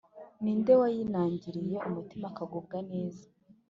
ni nde wayinangiriye umutima akagubwa neza’